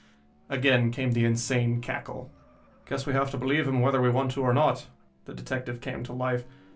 Again came the insane cackle. "Guess we have to believe him whether we want to or not." The detective came to life.